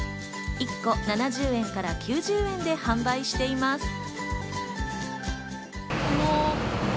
１個７０円から９０円で販売しています。